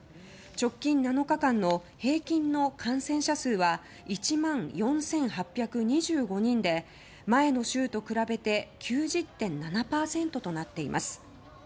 直近７日間の平均の感染者数は１万４８２５人で前の週と比べて９０．７％となっています。